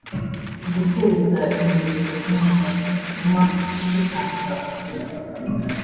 guteza imbere gahunda zituma zitanga akazi